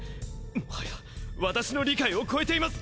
もはや私の理解を超えています！